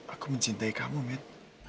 aku mencintai kamu bet